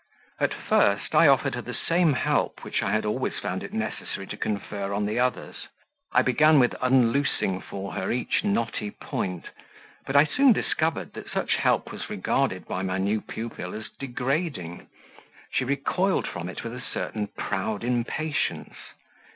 At first I offered her the same help which I had always found it necessary to confer on the others; I began with unloosing for her each knotty point, but I soon discovered that such help was regarded by my new pupil as degrading; she recoiled from it with a certain proud impatience.